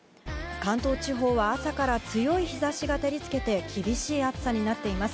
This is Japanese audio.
関東地方は朝から強い日差しが照りつけて厳しい暑さになっています。